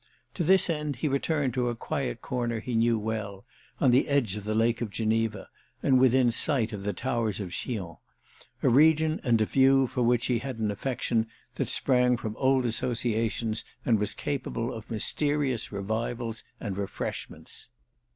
To this end he returned to a quiet corner he knew well, on the edge of the Lake of Geneva and within sight of the towers of Chillon: a region and a view for which he had an affection that sprang from old associations and was capable of mysterious revivals and refreshments.